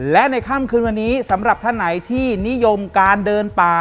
และในค่ำคืนวันนี้สำหรับท่านไหนที่นิยมการเดินป่า